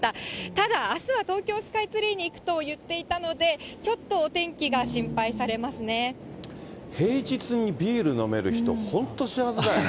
ただ、あすは東京スカイツリーに行くと言っていたので、平日にビール飲める人、本当、幸せだよね。